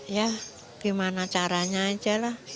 ya gimana caranya aja lah